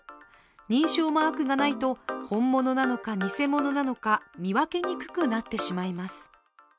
認証マークがないと本物なのかにせものなのか見分けにくくなってしまいます。